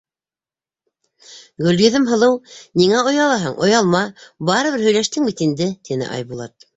— Гөлйөҙөм һылыу, ниңә оялаһың, оялма, барыбер һөйләштең бит инде, — тине Айбулат.